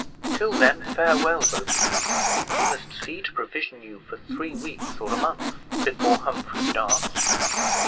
Till then, farewell, both of you. We must see to provision you for three weeks or a month, before Humphrey starts."